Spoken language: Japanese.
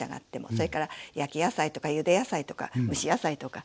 それから焼き野菜とかゆで野菜とか蒸し野菜とか。